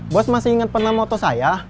bos masih inget pernah foto saya